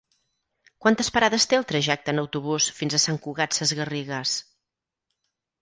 Quantes parades té el trajecte en autobús fins a Sant Cugat Sesgarrigues?